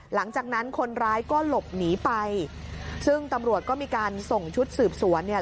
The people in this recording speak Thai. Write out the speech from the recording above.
หลังจากนั้นคนร้ายก็หลบหนีไปซึ่งตำรวจก็มีการส่งชุดสืบสวนเนี่ย